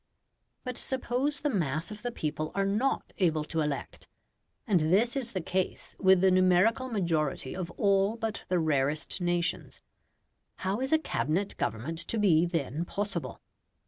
But suppose the mass of the people are not able to elect and this is the case with the numerical majority of all but the rarest nations how is a Cabinet government to be then possible?